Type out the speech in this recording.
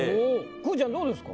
くーちゃんどうですか？